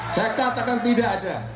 saya katakan tidak ada